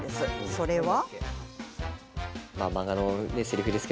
それは。